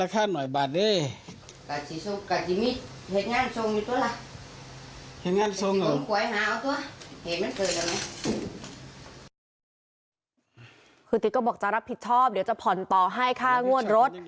คือติ๊กก็บอกจะรับผิดชอบเดี๋ยวจะผ่อนต่อให้ค่างวดรถ